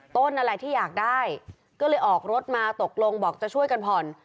ต้นอะไรที่อยากได้ก็เลยออกรถมาตกลงบอกจะช่วยกันผ่อน